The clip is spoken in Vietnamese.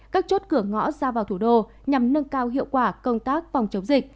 các chốt cửa ngõ ra vào thủ đô nhằm nâng cao hiệu quả công tác phòng chống dịch